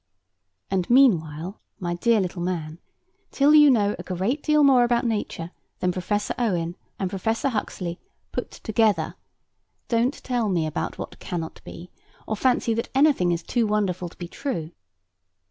And meanwhile, my dear little man, till you know a great deal more about nature than Professor Owen and Professor Huxley put together, don't tell me about what cannot be, or fancy that anything is too wonderful to be true.